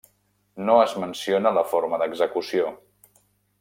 No es menciona la forma d'execució.